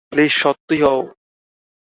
Please সত্যি হও।